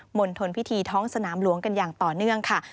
ณฑลพิธีท้องสนามหลวงกันอย่างต่อเนื่องค่ะ